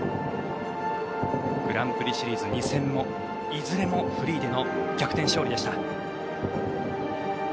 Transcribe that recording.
グランプリシリーズ２戦いずれもフリーでの逆転勝利でした。